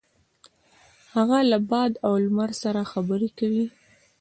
هغه له باد او لمر سره خبرې کوي.